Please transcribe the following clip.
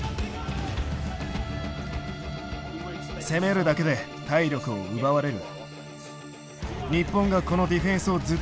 攻めるだけで体力を奪われる。